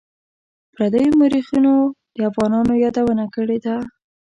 پردیو مورخینو د افغانانو یادونه کړې ده.